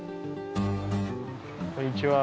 こんにちは。